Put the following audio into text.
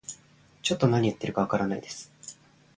ちょっと何言ってるかわかんないです